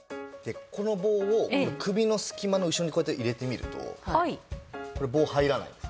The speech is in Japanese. この棒を首の隙間の後ろにこうやって入れてみるとこれ棒入らないんです。